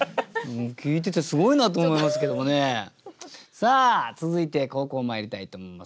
さあ続いて後攻まいりたいと思います。